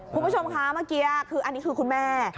คุณผู้ชมคะเมื่อกี้คือคุณแม่